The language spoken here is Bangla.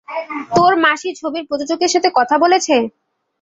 তোর মাসি ছবির প্রযোজকের সাথে কথা বলেছে?